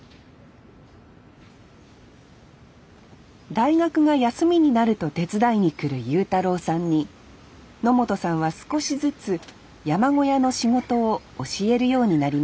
大学が休みになると手伝いにくる悠太郎さんに野本さんは少しずつ山小屋の仕事を教えるようになりました